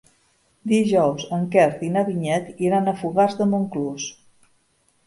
Dijous en Quer i na Vinyet iran a Fogars de Montclús.